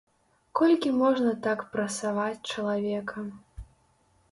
Колькі можна так прасаваць чалавека.